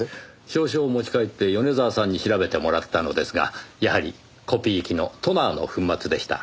少々持ち帰って米沢さんに調べてもらったのですがやはりコピー機のトナーの粉末でした。